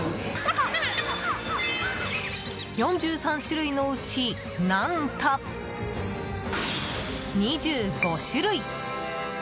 ４３種類のうち何と２５種類。